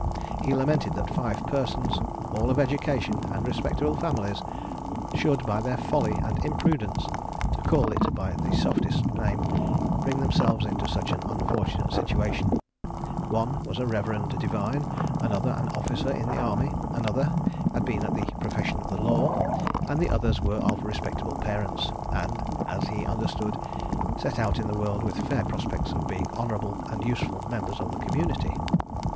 He lamented that five persons, all of education and respectable families, should, by their folly and imprudence, to call it by the softest name, bring themselves into such an unfortunate situation; one was a reverend divine, another an officer in the army, another had been in the profession of the law, and the others were of respectable parents, and, as he understood, set out in the world with fair prospects of being honourable and useful members of the community.